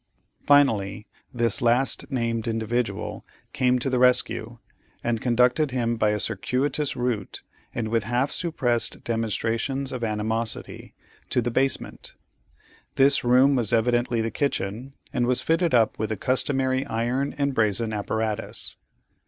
Finally, this last named individual came to the rescue, and conducted him by a circuitous route, and with half suppressed demonstrations of animosity, to the basement. This room was evidently the kitchen, and was fitted up with the customary iron and brazen apparatus.